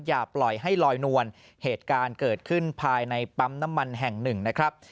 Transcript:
อย่าปล่อยให้ลอยนวลเหตุการณ์เกิดขึ้นภายในปั๊มน้ำมันแห่งหนึ่งนะครับ